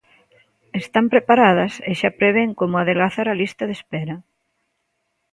Están preparadas, e xa prevén como adelgazar a lista de espera.